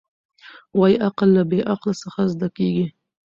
وايي عقل له بې عقله څخه زده کېږي.